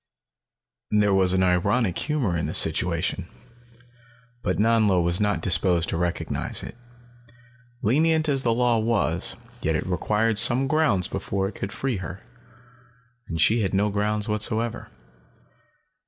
There was an ironic humor in the situation, but Nanlo was not disposed to recognize it. Lenient as the law was, yet it required some grounds before it could free her. And she had no grounds whatever.